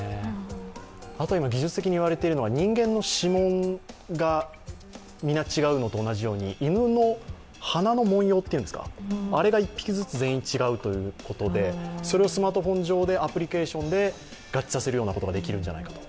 技術的に言われているのが人間の指紋が皆違うのと同じように犬の鼻の紋様というんですか、あれが１匹ずつ違うということで、スマートフォン上でアプリケーションで合致することができるんじゃないかと。